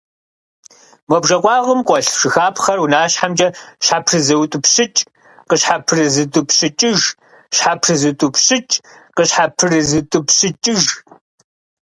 Мо бжэ къуагъым къуэлъ жыхапхъэр унащхьэмкӀэ щхьэпрызутӀыпщыкӀ, къыщхьэпрызутӀыпщыкӀыж, щхьэпрызутӀыпщыкӀ, къыщхьэпрызутӀыпщыкӀыж.